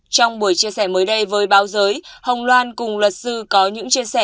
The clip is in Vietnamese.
trong buổi chia sẻ mới đây với báo giới hồng loan cùng luật sư có những chia sẻ